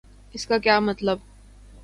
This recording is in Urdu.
اس کا کیا مطلب؟